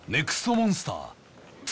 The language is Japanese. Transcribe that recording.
モンスター堤